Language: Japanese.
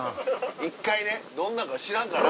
一回ねどんなんか知らんから。